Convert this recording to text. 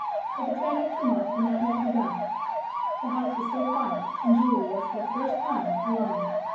But the tragic tumult had not yet begun. The house was still quiet, and Julie was for the first time alone.